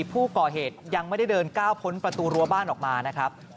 ผู้ก่อเหตุยังไม่ได้เดินก้าวพ้นประตูรั้วบ้านออกมานะครับ